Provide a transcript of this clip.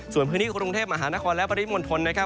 ส่วนพื้นที่กรุงเทพมหานครและปริมณฑลนะครับ